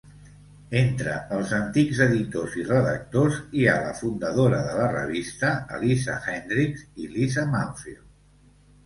Entre els antics editors i redactors hi ha la fundadora de la revista, Elisa Hendricks, i Lisa Manfield.